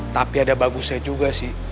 tapi ada bagusnya juga sih